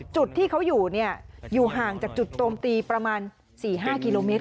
จุดที่เขาอยู่อยู่ห่างจากจุดโจมตีประมาณ๔๕กิโลเมตร